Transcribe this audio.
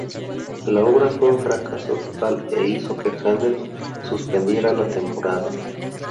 La obra fue un fracaso total e hizo que Händel suspendiera la temporada.